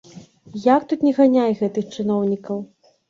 Як тут не ганяй гэтых чыноўнікаў.